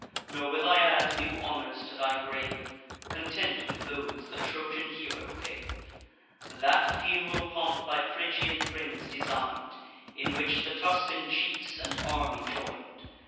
Nor will I add new honours to thy grave, Content with those the Trojan hero gave: That funeral pomp thy Phrygian friends design'd, In which the Tuscan chiefs and army join'd.